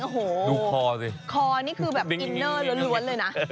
โอ้โหดูคอสิคอนี่คือแบบอินเนอร์ล้วนเลยนะ